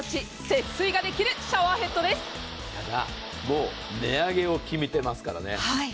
ただ、もう値上げを決めていますからね。